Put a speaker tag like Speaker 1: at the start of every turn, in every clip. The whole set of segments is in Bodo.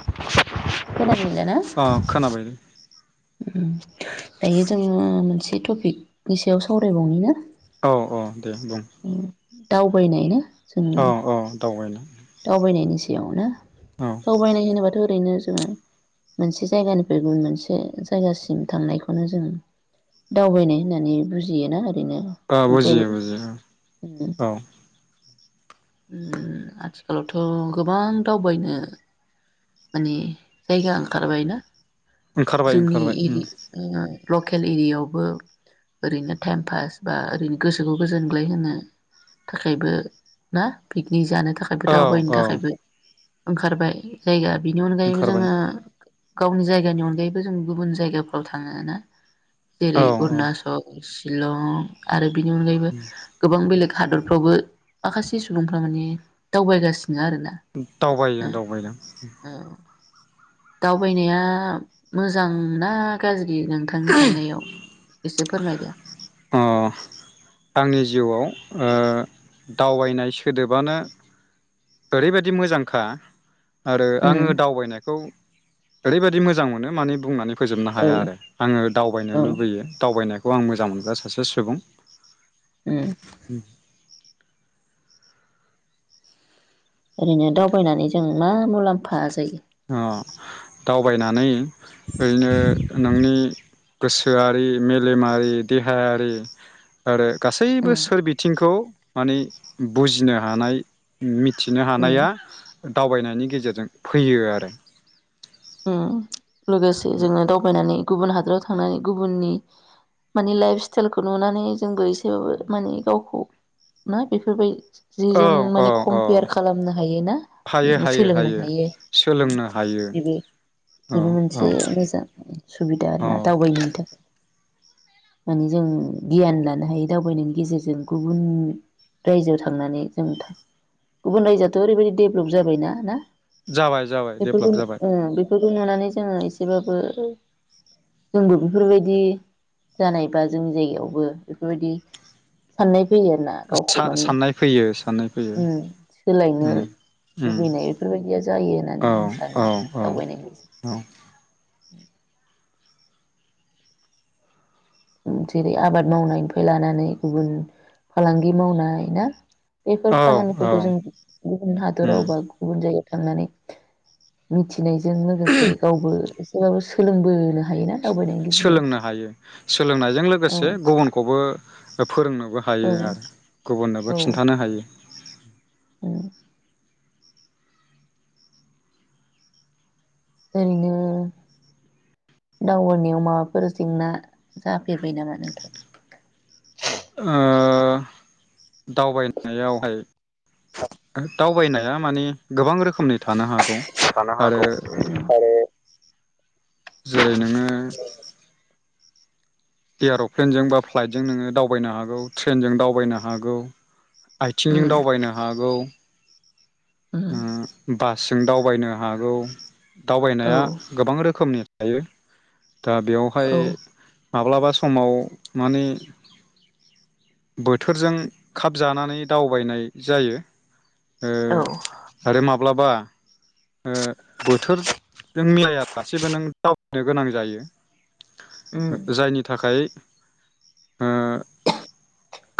Speaker 1: [unintelligible] लाना।
Speaker 2: अ खोनाबाय
Speaker 1: दायो जोङो मोनसे टपिकनि सायाव सावरायबावनि ना।
Speaker 2: औ औ दे बुं।
Speaker 1: उम दावबायनाय ना? जों
Speaker 2: औ औ दावबायनो।
Speaker 1: दावबायनायनि सायाव नो
Speaker 2: औ
Speaker 1: दावबायनाय होनोबाथ' नो जोङो मोनसे जायगानिफ्राय गुबुन मोनसे जायगासिम थांनायखौनो जों दावबायनाय होननानै बुजियोना आरो।
Speaker 2: औ बुजियो बुजियो
Speaker 1: उम
Speaker 2: औ।
Speaker 1: उम आ आथिखालावथ' गोबां दावबायनो माने जायगा ओंखारबाय ना।
Speaker 2: ओंखारबाय
Speaker 1: जोंनि
Speaker 2: ओंखारबाय
Speaker 1: एरि
Speaker 2: उम
Speaker 1: लकेल एरियायावबो ओरैनो टाइम पास बा ओरैनो गोसोखौ गोजोनग्लाय होनो थाखायबो ना पिकनिक जानो थाखाय। थाखायबो
Speaker 2: औ
Speaker 1: दावबायनो
Speaker 2: औ
Speaker 1: थाखायबो। ओंखारबाय जायगा। बेनि अनगायैबो
Speaker 2: ओंखारबाय
Speaker 1: जोङो। गावनि जायगानि अनगायैबो। जों गुबुन जायगाफ्राव थाङोना।
Speaker 2: औ
Speaker 1: जेरै
Speaker 2: औ
Speaker 1: अरनासल। शिलं आरो बिनि अनगायैबो गोबां बेलेग हादरफ्रावबो माखासे सुबुंफ्रा माने दावबायगासि
Speaker 2: दावबायो दावबायदों
Speaker 1: औ दावबायनाया मोजां ना गाज्रि? नोंथांनि साननायाव? से फोरमायदो।
Speaker 2: अ आंनि जिउआव ओ दावबायनाय सोदोबानो ओरैबायदि मोजांखा आरो
Speaker 1: उम
Speaker 2: आङो दावबायनायखौ ओरैबायदि मोजां मोनो माने बुंनानै फोजोबनो
Speaker 1: औ
Speaker 2: हाया आरो आङो
Speaker 1: औ
Speaker 2: दावबायनो लुबैयो दावबायनाय [unintelligible] आं मोजां मोनग्रा सासे सुबुं।
Speaker 1: उम। [unintelligible]
Speaker 2: अ दावबायनानै ओरैनो नोंनि गोसोआरि, मेलेमारि, देहायारि आरो
Speaker 1: उम
Speaker 2: गासैबो सोर बिथिंखौ माने बुजिनो हानाय [unintelligible] मिथिनो
Speaker 1: उम
Speaker 2: हानाया दावबायनायनि गेजेरजों फैयो आरो। [unintelligible]
Speaker 1: उम लोगोसे जोङो दावबायनानै गुबुन हादराव थांनानै गुबुननि मानि लाइफ स्टाइलखौ नुनानै जोंबो एसेबाबो माने गावखौ नो [unintelligible] जि
Speaker 2: औ
Speaker 1: जों
Speaker 2: औ
Speaker 1: माने
Speaker 2: औ
Speaker 1: कमपेयार खालामनो हायो ना
Speaker 2: हायो हायो
Speaker 1: सोलोंनो हायो
Speaker 2: सोलोंनो हायो
Speaker 1: बेबो
Speaker 2: औ
Speaker 1: बेबो
Speaker 2: औ
Speaker 1: मोनसे मोजां सुबिदा
Speaker 2: औ
Speaker 1: आरोना दावबायनायनि थाखाय माने जों गियान लानो हायो दावबायनायनि गेजेरजों गुबुन रायजोआव थांनानै जों गुबुन रायजोआथ' ओरैबायदि डेभलप जाबायना ना
Speaker 2: जाबाय जाबाय
Speaker 1: बेफोरखौ
Speaker 2: डेभेलप जाबाय।
Speaker 1: ओ बेफोरखौ नुनानै जोङो एसेबाबो जोंबो बेफोरबायदि जानाय बा जोंनि जायगायावबो बेफोरबायदि साननाय फैयो आरो ना गावखौ माने
Speaker 2: साननाय फैयो साननाय फैयो
Speaker 1: सोलायनो
Speaker 2: उम
Speaker 1: ओम
Speaker 2: उम
Speaker 1: लुबैनाय बेफोरबायदिया जायो होननानै आं सानो आरोना दावबायनाय।
Speaker 2: अ
Speaker 1: जेरै आबाद मावनायनिफ्राय लानानै गुबुन फालांगि मावनाय ना बेफोर
Speaker 2: औ औ
Speaker 1: खामानिफोरखौ जों गुबुन हादराव
Speaker 2: उम
Speaker 1: बा गुबुन जायगायाव थांनानै [unintelligible] बिनायजों लोगोसे गावबो अबाव सोलोंबोनो हायोना दावबायनायनि गेजेरजों
Speaker 2: सोलोंनो हायो सोलों लोंनायजों
Speaker 1: औ
Speaker 2: लोगोसे गुबुनखौबो फोरोंनोबो हायो
Speaker 1: औ
Speaker 2: आरो
Speaker 1: औ
Speaker 2: खिन्थानो हायो
Speaker 1: ओरैनो दावगानायाव माबाफोर जेंना जाफेरबाय नामा नोंथां?
Speaker 2: ओ दावबायनायावहाय दावबायनाया माने गोबां रोखोमनि थानो हा
Speaker 1: थानो हागौ आरे
Speaker 2: जेरै नोंनो एर'प्लेनजों बा फ्लाइटजों नोङो दावबायनो हागौ ट्रेनजों दावबायनो हागौ। आयथिंजों दावबायनो हागौ उम बा सिम दावबायनो हागौ।
Speaker 1: औ
Speaker 2: दावबायनाया गोबां रोखोमनि हायो दा बेयावहाय माब्लाबा समाव मानि बोथोरजों खाब जानानै दावबायनाय जायो। ओ आरो माब्लाबा ओ बोथोरजों मिलायालासेबो नों दावनो गोनां जायो। जायनि थाखाय ओ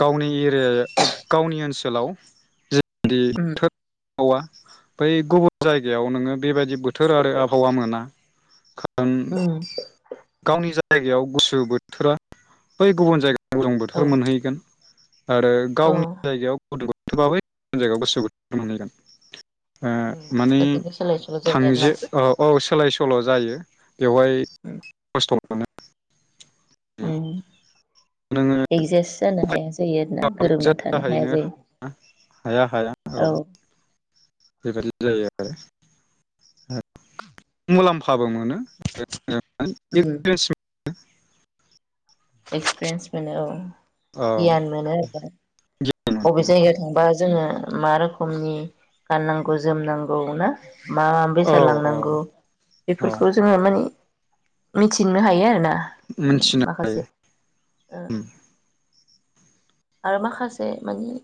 Speaker 2: गावनि एरिया गावनि ओनसोलाव जि
Speaker 1: उम
Speaker 2: औवा बै गुबुन जायगायाव नोङो बेबायदि बोथोर आरो आबहावा मोना ओं
Speaker 1: औ
Speaker 2: गावनि जा जायगायाव गुसु बोथोरा बै गुबुन जायगा गरम
Speaker 1: औ
Speaker 2: बोथोर मोनहैगोन आरो
Speaker 1: औ
Speaker 2: गावनि जायगायाव गुदुं बोथोरबा बै जायगायाव गुसु बोथोर मोनहैगोन। माने
Speaker 1: गोदोनि सोलाय सोल' जायो आरोना
Speaker 2: थांजो अ औ सोलाय सोल' जायो [inaudible] बेवहाय खस्थ' मोनो
Speaker 1: ओम
Speaker 2: नोङो
Speaker 1: एगजास्ट जानो हाया जायो आरोना गोरोबना थानो हाया
Speaker 2: जाहैनो हाया हाया
Speaker 1: जायो औ
Speaker 2: बेबायदि जायो आरो मुलाम्फाबो मोनो। [inaudible] [inaudible]
Speaker 1: एक्सपिरेयन्स मोनो औ गियान मोनो बबे जायगायाव थांबा जोङो मा रोखोमनि गाननांगौ जोमनांगौ ना मा मा
Speaker 2: औ
Speaker 1: बेसाद
Speaker 2: औ
Speaker 1: लांनांगौ
Speaker 2: औ
Speaker 1: बेफोरखौ जोङो माने मिथिनो हायो आरो ना
Speaker 2: मिथिनो
Speaker 1: माखासे
Speaker 2: हायो
Speaker 1: ओ आरो माखासे माने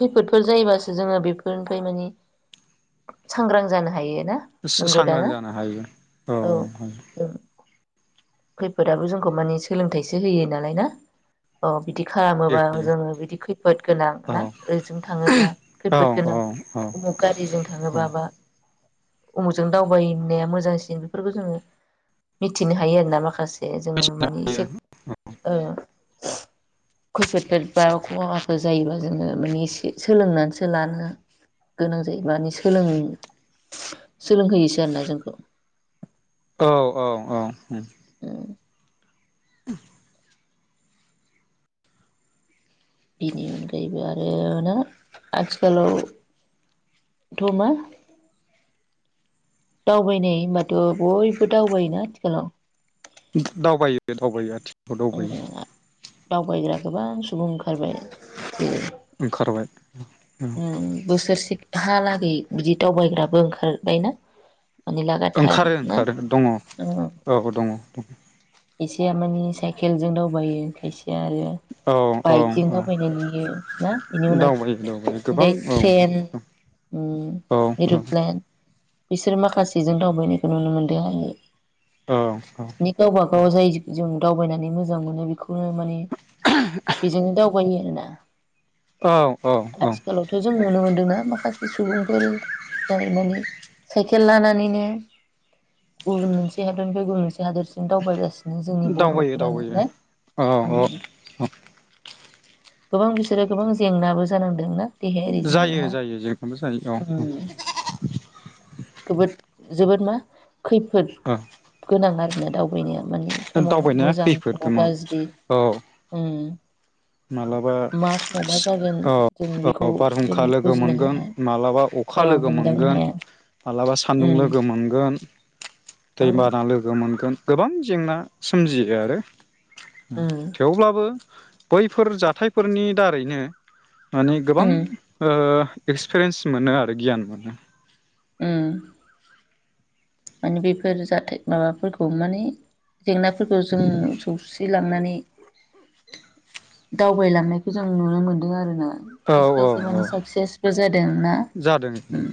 Speaker 1: खैफोदफोर जायोबासो जोङो बेफोरनिफ्राय माने सांग्रां जानो हायो। ना
Speaker 2: सो सो
Speaker 1: नंगौ दा
Speaker 2: सांग्रां
Speaker 1: ना
Speaker 2: जानो हायो औ औ
Speaker 1: खैफोदाबो जोंखौ माने सोलोंथाइसो होयो नालाय ना अ बिदि खालामोबा जोङो बिदि खैफोद गोनां ना ओरैजों थाङोबा
Speaker 2: औ
Speaker 1: खैफोद
Speaker 2: औ
Speaker 1: गोनां
Speaker 2: औ
Speaker 1: उमुख गारिजों थाङोबा बा उमुखजों दावबायनाया मोजांसिन बेफोरखौ जोङो मिथिनो हायो आरो ना माखासे जे जोङो
Speaker 2: मिथिनो
Speaker 1: मानि
Speaker 2: हायो
Speaker 1: एसे ओं खैफोद फोर बा खहाफोर जायोबा जोङो माने एसे सोलोंनानैसो लानो गोनां जायो माने सोलों सोलोंहोयोसो आरोना जोंखौ
Speaker 2: औ औ औ
Speaker 1: औ [inaudible]
Speaker 2: [inaudible]
Speaker 1: बिनि अनगायैबो आरो ना आथिखालावथ' मा? दावबायनाय होनबाथ' बयबो दावबायोना आथिखालाव
Speaker 2: दावबायो दावबायो आथि दावबायो
Speaker 1: उम दावबायग्रा गोबां सुबुं ओंखारबाय बे
Speaker 2: ओंखारबाय।
Speaker 1: उम बोसोरसे हालागै बिदि दावबायग्राबो ओंखारबायना? माने लागाथार
Speaker 2: ओंखारो
Speaker 1: ना
Speaker 2: ओंखारो दङ औ
Speaker 1: उम
Speaker 2: दङ।
Speaker 1: खायसेया मानि साइकेल जों दावबायो खाय या आरो
Speaker 2: औ औ
Speaker 1: बाइकजों
Speaker 2: औ
Speaker 1: दावबायनाय नुयो ना बेनि उनाव
Speaker 2: दावबायो दावबायो गोबां
Speaker 1: ट्रे ओफ्राय
Speaker 2: औ
Speaker 1: ट्रेन, उम
Speaker 2: औ
Speaker 1: एर'प्लेन बिसोर माखासेजों दावबायनायखौ नुनो मोनदों आङो।
Speaker 2: औ औ।
Speaker 1: अ जायजों जों दावबायनानै मोजां मोनो बेखौ [unintelligible] माने बेजोंनो दाव बयो आरोना।
Speaker 2: औ औ औ
Speaker 1: आथिखालावथ' जों नुनो मोनदोंना आ माखासे सुबुंफोर जाय माने साइकेल लानानैनो गुबुन मोनसे हादरनिफ्राय गुबुन मोनसे हादरसिम दावबायगासि
Speaker 2: दावबायो दावबायो अ'
Speaker 1: उम
Speaker 2: औ औ।
Speaker 1: गोबां बिसोरो गोबां जेंनाबो जानांदोंना? देहायारि
Speaker 2: जायो
Speaker 1: जेंना
Speaker 2: जायो जेंनाबो जायो औ औ
Speaker 1: उम गोबोद जोबोद मा खैफोद
Speaker 2: औ
Speaker 1: गोनां आरो। ना दाव बिनिया मानि समाव
Speaker 2: दावबायनाया
Speaker 1: मोजां
Speaker 2: खैफोद
Speaker 1: समाव
Speaker 2: गोनां
Speaker 1: गाज्रि
Speaker 2: औ
Speaker 1: उम।
Speaker 2: मालाबा
Speaker 1: मा समाव मा जागोन
Speaker 2: औ
Speaker 1: जों
Speaker 2: औ
Speaker 1: बेखौ जों
Speaker 2: बारहुंखा लोगो
Speaker 1: बुजिनो
Speaker 2: मोनगोन
Speaker 1: हाया
Speaker 2: मालाबा अखा
Speaker 1: ओ
Speaker 2: लोगो
Speaker 1: हमदांनो
Speaker 2: मोनगोन
Speaker 1: हाया
Speaker 2: मालाबा सान्दुं
Speaker 1: उम
Speaker 2: लोगो मोनगोन
Speaker 1: औ
Speaker 2: दैबाना लोगो मोनगोन गोबां जेंना सोमजियो आरो।
Speaker 1: उम
Speaker 2: थेवब्लाबो बैफोर जाथायफोरनि दारैनो माने गोबां
Speaker 1: उम
Speaker 2: ओ एक्सपिरियेन्स मोनो आरो गियान मोनो।
Speaker 1: उम। माने बेफोर जाथाय माबाफोरखौ माने जेंनाफोरखौ जों सौसि लांनानै दावबायलांनायखौ जों नुनो मोनदों आरो ना।
Speaker 2: औ
Speaker 1: खायसे
Speaker 2: औ
Speaker 1: खायसे
Speaker 2: औ
Speaker 1: माने साक्सेसबो जादों ना
Speaker 2: जादों
Speaker 1: उम।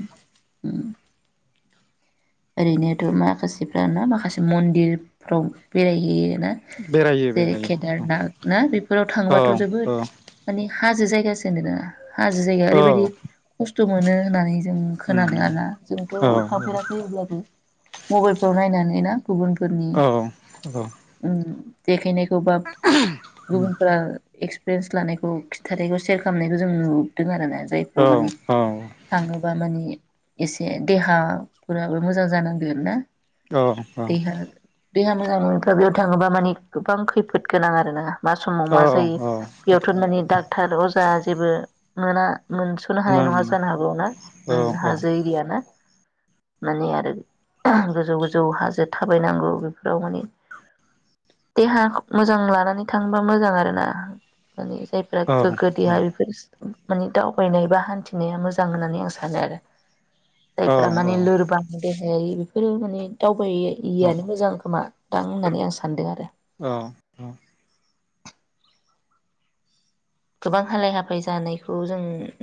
Speaker 1: उम ओरैनोथ' माखासेफ्रा ना माखासे मन्दिर फ्राव बेरायहैयो। ना।
Speaker 2: बेरायो
Speaker 1: जेरै-
Speaker 2: बेरायो
Speaker 1: केदारनाथ ना बेफोराव
Speaker 2: औ
Speaker 1: थांबाथ' जोबोद माने हाजो जायगासो होनदों ना? हाजो जायगाया
Speaker 2: औ
Speaker 1: ओरैबायदि खस जौ मोनो होननानै जों खोनादों
Speaker 2: मोनो
Speaker 1: आरोना, जोंथ'
Speaker 2: औ औ
Speaker 1: थांफेराख उम मबाइलफ्राव नायनानै ना? गुबुनफोरनि
Speaker 2: औ
Speaker 1: उम बेखायनाय खौबाब गुबुनफोरा एकस रेस लानायखौ खिथारैखौ सेयार खामनायखौ जों नुदों आरोना । जायफोराव माने थाङोबा माने एसे देहा फोराबो मोजां जानांगोन ना ।
Speaker 2: औ औ।
Speaker 1: देहा मोजांनङैफ्रि बेयाव थाङोबा माने गोबां खैफोद गोनां आरोना । मा समाव
Speaker 2: औ
Speaker 1: मा जायो बेयावथ' माने डाक्टार अजा जा जेबो मोना मोनस'नो हानाय
Speaker 2: मोना
Speaker 1: नङा
Speaker 2: मोना
Speaker 1: जानो हागौ ना,
Speaker 2: औ
Speaker 1: ओम
Speaker 2: औ औ
Speaker 1: हाजो एरिया ना । माने आरो [unintelligible] गोजौ गोजौ हाजो थाबायनांगौ बेफोराव माने देहा मोजां लानानै थाङोबा मोजां आरोना । माने जायफोरहा
Speaker 2: औ
Speaker 1: गोग्गो देहा बेफोर सो माने दावबायनाय बा हान्थिनाया मोजां होननानै आं सानो आरो । जायफ्रा माने लोर देहायारि बेफोरो माने दाव बाय यैयानो मोजां खोमा । दां होननानै आं सान्दों आरो।
Speaker 2: औ औ।
Speaker 1: गोबां हालाय-हाफाय जानायखौ जों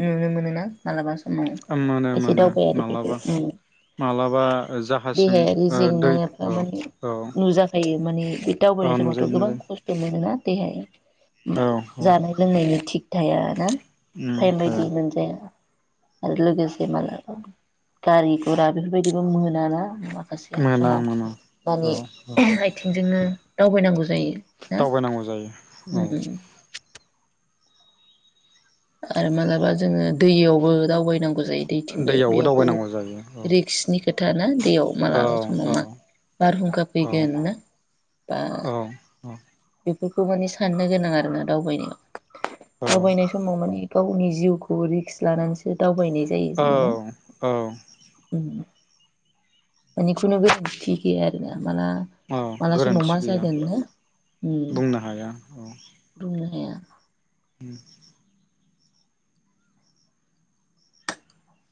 Speaker 1: नुनो मोनोना। मालाबा समाव
Speaker 2: औ मोनो
Speaker 1: खायसे
Speaker 2: मोनो
Speaker 1: दावबायारिफोरखो
Speaker 2: मालाबा
Speaker 1: ओम
Speaker 2: मालाबा जाहाजजों
Speaker 1: देहायारि
Speaker 2: ओ दै
Speaker 1: जेंनायाफ्रा
Speaker 2: औ
Speaker 1: माने
Speaker 2: औ
Speaker 1: नुजाखायो माने बे
Speaker 2: औ
Speaker 1: दावबायनाय समावथ'
Speaker 2: नुजायो
Speaker 1: गोबां
Speaker 2: नुजायो
Speaker 1: खस्थ' मोनोना। देहाया उम
Speaker 2: औ औ
Speaker 1: जानाय लोंनायनि थिग थाया ना?
Speaker 2: उम
Speaker 1: थाइम
Speaker 2: थाया
Speaker 1: बायदि मोनजाया। आरो लोगोसे मालाबा गारि घुरा बेफोरबायदिबो मोना ना। औ ओ। माखासे
Speaker 2: मोना
Speaker 1: समाव
Speaker 2: मोना
Speaker 1: मानि
Speaker 2: औ औ
Speaker 1: [unintelligible] आथिंजोंनो दावबायनांगौ। जायो ना
Speaker 2: दावबायनांगौ जायो उम।
Speaker 1: आरो मालाबा जोङो दैयावबो दावबायनां गौ जायो दैथिंबो
Speaker 2: दैयावबो दावबायनांगौ जायो औ
Speaker 1: बेयावथ' रिक्सनि खोथा ना दैयाव
Speaker 2: औ
Speaker 1: मालाबा समाव
Speaker 2: औ
Speaker 1: मा बारहुंखा फैगोन ना बा
Speaker 2: अ।
Speaker 1: बेफोरखौ माने साननो गोनां आरोना दावबायनायाव। दावबायनाय समाव माने गावनि जिउखौ रिक्स लानानैसो दाव बायनाय जायो
Speaker 2: औ
Speaker 1: जों ना
Speaker 2: औ
Speaker 1: उम। मानि खुनु गेरेन्टि गैया आरो ना। माला
Speaker 2: औ
Speaker 1: माला समाव
Speaker 2: गोरोन्थि
Speaker 1: मा
Speaker 2: गैया
Speaker 1: जादों ने।
Speaker 2: बुंनो हाया औ।
Speaker 1: मोनाया
Speaker 2: [unintelligible]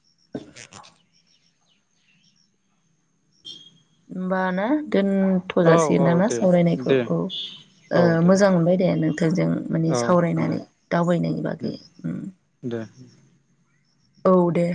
Speaker 1: [inaudible] होनबाना। दोनथ'
Speaker 2: औ
Speaker 1: जासिग
Speaker 2: औ
Speaker 1: नामा
Speaker 2: दे
Speaker 1: सावरायनायखौ
Speaker 2: दे
Speaker 1: औ
Speaker 2: औ दे
Speaker 1: मोजां मोनबाय दे नोंथांजों माने
Speaker 2: औ दे
Speaker 1: सावरायनानै दावबायनायनि बागै ओम।
Speaker 2: दे
Speaker 1: औ दे।